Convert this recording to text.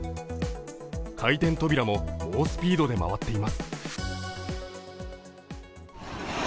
回転扉も猛スピードで回っています。